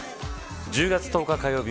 １０月１０日火曜日